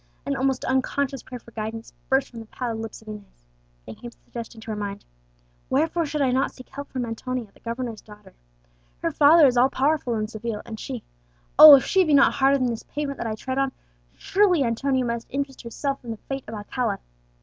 An almost unconscious prayer for guidance burst from the pallid lips of Inez. Then came the suggestion to her mind, "Wherefore should I not seek help from Antonia, the governor's daughter? Her father is all powerful in Seville, and she oh! if she be not harder than this pavement that I tread on, surely Antonia must interest herself in the fate of Alcala!"